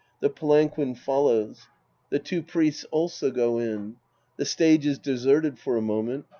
The palanquin follows. The two Priests also go in. The stage is deserted for a moment.